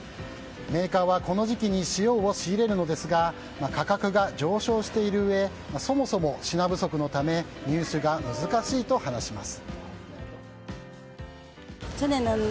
メーカーはこの時期に塩を仕入れるのですが価格が上昇しているうえそもそも品不足のため入手が難しいと話します。